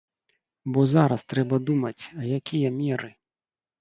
Бо зараз трэба думаць, а якія меры?